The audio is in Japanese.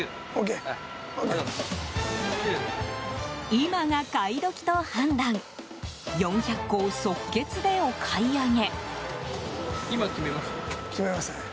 今が買い時と判断４００個を即決でお買い上げ。